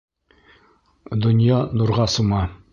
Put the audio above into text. Донъя нурға сума!